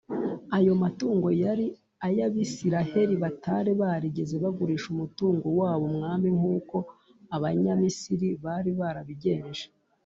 ayo matungo yari ay’abisiraheli batari barigeze bagurisha umutungo wabo umwami nk’uko abanyamisiri bari barabigenje.